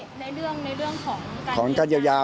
ในเรื่องของการเยียวยา